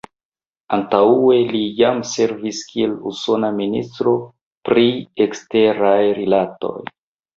Antaŭe li jam servis kiel usona ministro pri eksteraj rilatoj.